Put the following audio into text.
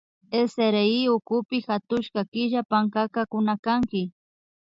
SRI ukupi hatushka killa pankata kunakanki